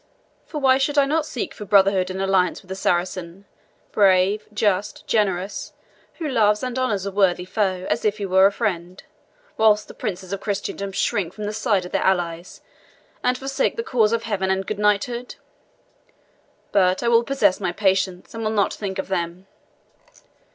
For why should I not seek for brotherhood and alliance with a Saracen, brave, just, generous who loves and honours a worthy foe, as if he were a friend whilst the Princes of Christendom shrink from the side of their allies, and forsake the cause of Heaven and good knighthood? But I will possess my patience, and will not think of them.